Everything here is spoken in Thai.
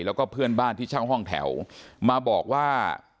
แล้วก็เพื่อนบ้านที่เช่าห้องแถวมาบอกว่า